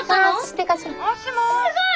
すごい！